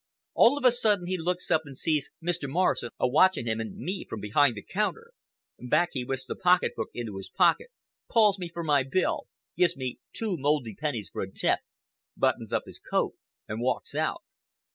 All of a sudden he looks up and sees Mr. Morrison a watching him and me from behind the counter. Back he whisks the pocket book into his pocket, calls me for my bill, gives me two mouldy pennies for a tip, buttons up his coat and walks out."